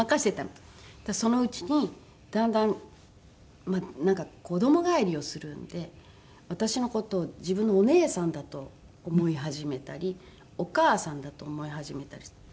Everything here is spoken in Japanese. そのうちにだんだんなんか子ども返りをするので私の事を自分のお姉さんだと思い始めたりお母さんだと思い始めたりする。